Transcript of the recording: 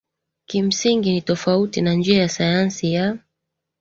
kimsingi ni tofauti na njia ya sayansi ya